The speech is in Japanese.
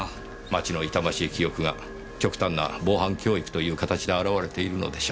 町の痛ましい記憶が極端な防犯教育という形で現れているのでしょう。